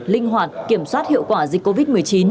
linh hoạt kiểm soát hiệu quả dịch covid một mươi chín